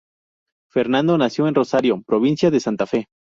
Fernando nació en Rosario, provincia de Santa Fe.